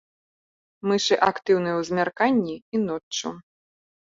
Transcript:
Мышы актыўныя ў змярканні і ноччу.